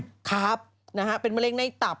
อุ๊ยครับเป็นมะเร็งในตับ